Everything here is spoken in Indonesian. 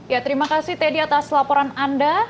ya terima kasih teddy atas laporan anda